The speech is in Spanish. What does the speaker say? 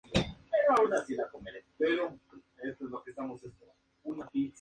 Fue un día fantástico, y nos dejó con ganas de más.